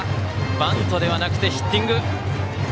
バントではなくてヒッティング。